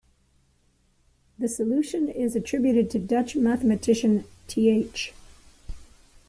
The solution is attributed to Dutch mathematician Th.